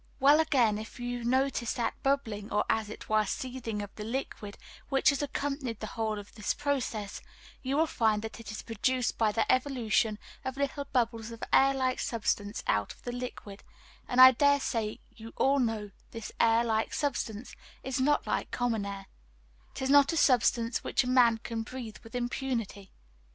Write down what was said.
Well, again, if you notice that bubbling, or, as it were, seething of the liquid, which has accompanied the whole of this process, you will find that it is produced by the evolution of little bubbles of air like substance out of the liquid; and I dare say you all know this air like substance is not like common air; it is not a substance which a man can breathe with impunity.